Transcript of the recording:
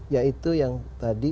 yaitu yang tadi